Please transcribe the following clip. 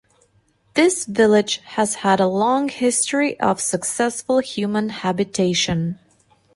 This village has had a long history of successful human habitation.